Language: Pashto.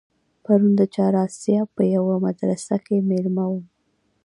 پرون د چهار آسیاب په یوه مدرسه کې مېلمه وم.